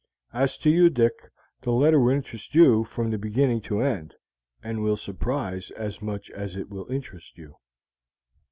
As to you, Dick, the letter will interest you from beginning to end, and will surprise as much as it will interest you."